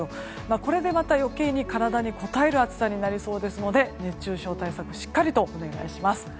これでまた余計に体にこたえる暑さになりそうですので熱中症対策しっかりとお願いします。